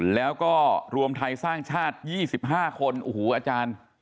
แล้วก็รวมไทยสร้างชาติยี่สิบห้าคนโอ้โหอาจารย์